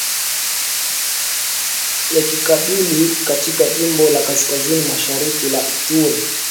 ya kikabila katika jimbo la kaskazini mashariki la Ituri